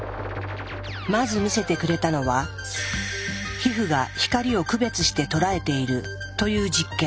まず見せてくれたのは「皮膚が光を区別して捉えている」という実験。